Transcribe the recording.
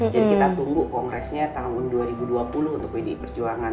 jadi kita tunggu kongresnya tahun dua ribu dua puluh untuk bdi perjuangan